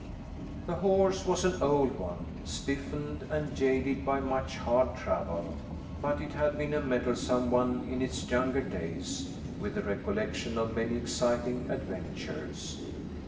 The horse was an old one, stiffened and jaded by much hard travel, but it had been a mettlesome one in its younger days, with the recollection of many exciting adventures.